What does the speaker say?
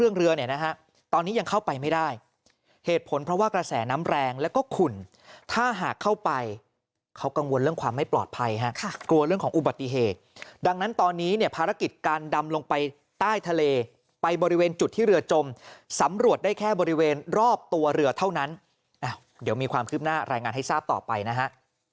เรือเนี่ยนะฮะตอนนี้ยังเข้าไปไม่ได้เหตุผลเพราะว่ากระแสน้ำแรงแล้วก็ขุ่นถ้าหากเข้าไปเขากังวลเรื่องความไม่ปลอดภัยฮะกลัวเรื่องของอุบัติเหตุดังนั้นตอนนี้เนี่ยภารกิจการดำลงไปใต้ทะเลไปบริเวณจุดที่เรือจมสำรวจได้แค่บริเวณรอบตัวเรือเท่านั้นเดี๋ยวมีความคืบหน้ารายงานให้ทราบต่อไปนะฮะ